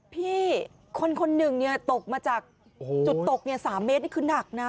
พี่คนคนหนึ่งเนี่ยตกมาจากโอ้โหจุดตกเนี่ยสามเมตรนี่คือนักน่ะ